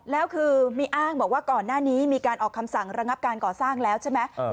แล้วคือมีอ้างบอกว่าก่อนหน้านี้มีการออกคำสั่งระงับการก่อสร้างแล้วใช่ไหม